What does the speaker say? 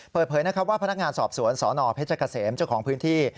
เปิดเผยนะครับว่าพนักงานสอบสวนสนเพชรเกษมเจ้าของพื้นที่